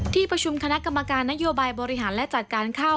ที่ประชุมคณะกรรมการนโยบายบริหารและจัดการข้าว